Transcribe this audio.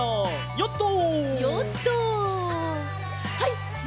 ヨット！